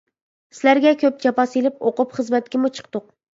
سىلەرگە كۆپ جاپا سېلىپ ئوقۇپ، خىزمەتكىمۇ چىقتۇق.